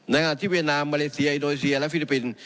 ในหน้าที่เวียนาฮมมาเลเซียอิโนเฮสียและฟิลิปปินส์